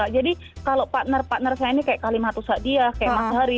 jadi kalau partner partner saya ini kayak alimatus dia kayak mas hari